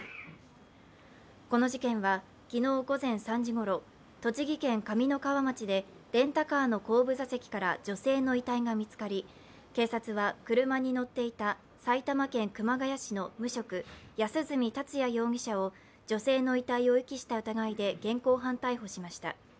この事件は昨日午前３時ごろ、栃木県上三川町でレンタカーの後部座席から女性の遺体が見つかり、警察は車に乗っていた埼玉県熊谷市の無職安栖達也容疑者を女性の遺体を遺棄した疑いで現行犯逮捕しました。